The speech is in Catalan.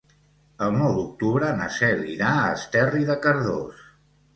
El nou d'octubre na Cel irà a Esterri de Cardós.